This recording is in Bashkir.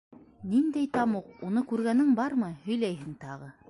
— Ниндәй тамуҡ, уны күргәнең бармы, һөйләйһең тағы.